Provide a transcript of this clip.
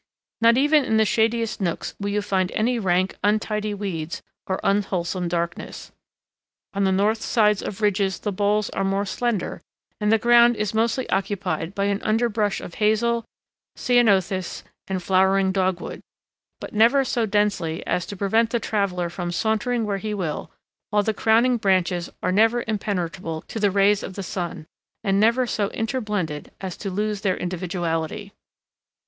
Not even in the shadiest nooks will you find any rank, untidy weeds or unwholesome darkness. On the north sides of ridges the boles are more slender, and the ground is mostly occupied by an underbrush of hazel, ceanothus, and flowering dogwood, but never so densely as to prevent the traveler from sauntering where he will; while the crowning branches are never impenetrable to the rays of the sun, and never so interblended as to lose their individuality.